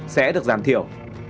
sẽ được giảm thiểu